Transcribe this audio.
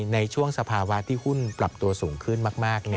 ในช่วงสภาวะที่หุ้นปรับตัวสูงขึ้นมาก